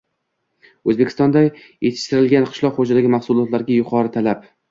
O‘zbekistonda yetishtirilgan qishloq xo‘jaligi mahsulotlariga yuqori talab